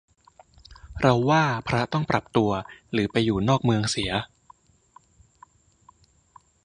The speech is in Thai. เราว่าพระต้องปรับตัว หรือไปอยู่นอกเมืองเสีย